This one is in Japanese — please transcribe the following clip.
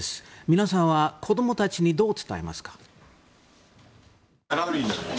皆さんは子供たちにどう伝えますか？